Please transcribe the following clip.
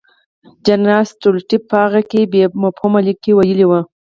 جنرال سټولیټوف په هغه بې مفهومه لیک کې ویلي وو.